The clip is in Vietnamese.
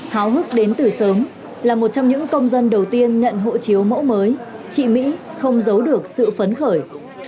háo hức đến từ sớm là một trong những công dân đầu tiên nhận hộ chiếu mẫu mới chị mỹ không giấu được sự phấn khởi